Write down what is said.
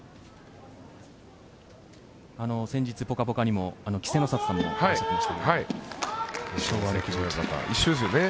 先日「ぽかぽか」にも稀勢の里さんもいらっしゃってました。